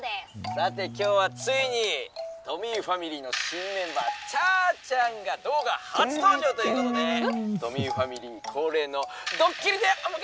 「さて今日はついにトミーファミリーの新メンバーちゃーちゃんが動画初登場ということでトミーファミリー恒例のドッキリでお迎えしたいと思います！」。